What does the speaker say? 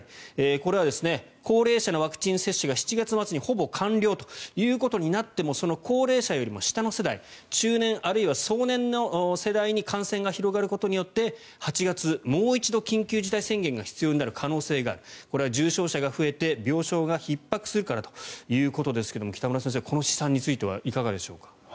これは高齢者のワクチン接種が７月末にほぼ完了ということになってもその高齢者よりも下の世代中年あるいは壮年の世代にも感染が広がることによって８月、もう一度、緊急事態宣言が必要になる可能性があるこれは重症者が増えて病床がひっ迫するかということですが北村先生、この試算についてはいかがでしょう。